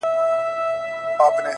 زما شاعري وخوړه زې وخوړم ـ